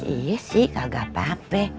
iya sih kalau gak apa apa